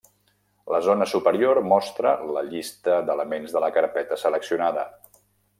La zona superior mostra la llista d'elements de la carpeta seleccionada.